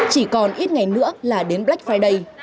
chỉ còn ít ngày nữa là đến black friday